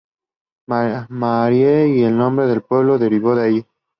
Marie y el nombre del pueblo derivó de allí.